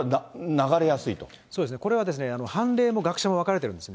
ただこれは、判例も学者も分かれてるんですね。